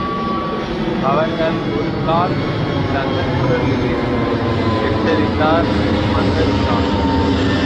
அவர்கள் ஒருக்கால்..! சன்னக் குரலில் எச்சரித்தார், மன்னர்பிரான்.